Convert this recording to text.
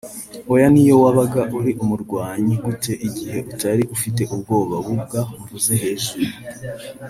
Hoya n’iyo wabaga uri umurwanyi gute igihe utari ufite ubwo bubwa mvuze hejuru